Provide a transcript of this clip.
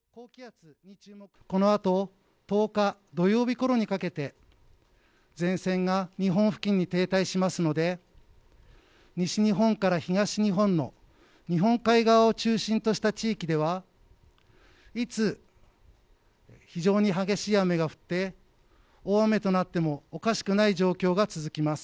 このあと、１０日土曜日ころにかけて、前線が日本付近に停滞しますので、西日本から東日本の日本海側を中心とした地域では、いつ非常に激しい雨が降って、大雨となってもおかしくない状況が続きます。